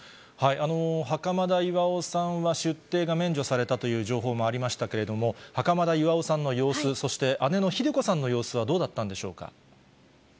袴田巌さんは、出廷が免除されたという情報もありましたけれども、袴田巌さんの様子、そして姉のひで子さんの様子はどうだったんでしょうか。